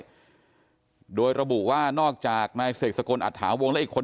เสียหายด้วยโดยระบุว่านอกจากนายเศรษฐกลอัดถาวงและอีกคน